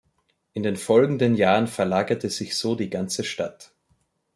In den folgenden Jahren verlagerte sich so die ganze Stadt.